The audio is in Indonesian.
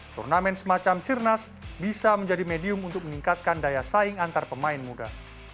turnamen semacam sirnas bisa menjadi medium untuk meningkatkan daya saing antar pemain muda